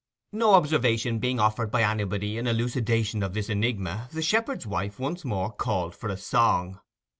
No observation being offered by anybody in elucidation of this enigma, the shepherd's wife once more called for a song.